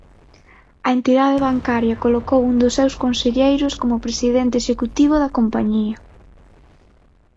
A entidade bancaria colocou un dos seus conselleiros como presidente executivo da compañía.